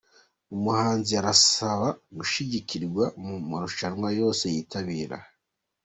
Umuhanzi arasaba gushyigikirwa mu marushanwa yose yitabira